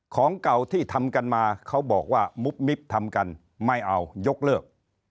ของเก่าที่ทำกันมาเขาบอกว่ามุบมิบทำกันไม่เอายกเลิก